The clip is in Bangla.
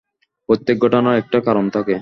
প্রত্যেক ঘটনারই একটা কারণ থাকে।